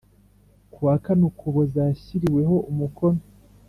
ku wa kane Ukuboza yashyiriweho umukono